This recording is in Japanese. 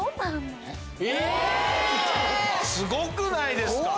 すごくないですか